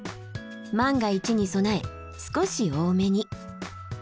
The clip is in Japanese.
万が一に備え少し多めに。